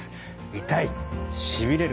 痛いしびれる。